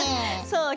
そう！